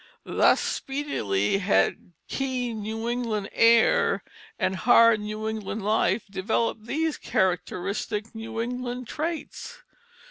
Thus speedily had keen New England air and hard New England life developed these characteristic New England traits.